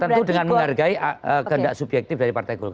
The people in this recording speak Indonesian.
tentu dengan menghargai kehendak subjektif dari partai golkar